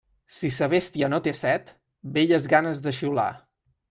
Si sa bèstia no té set, belles ganes de xiular.